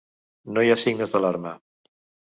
No hi ha signes d'alarma.